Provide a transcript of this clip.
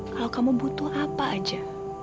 kalau kamu butuh apa aja